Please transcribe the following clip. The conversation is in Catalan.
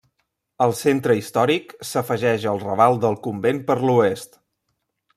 Al centre històric s'afegeix el raval del Convent per l'oest.